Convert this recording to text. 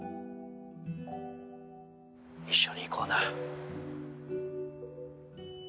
「一緒に行こうな」